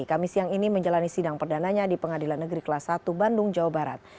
kami siang ini menjalani sidang perdananya di pengadilan negeri kelas satu bandung jawa barat